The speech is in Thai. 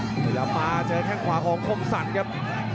คนกินท้าพยายามมาเจอข้างขวาของคนสัตว์ครับ